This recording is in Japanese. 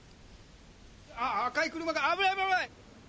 赤い車が、危ない、危ない。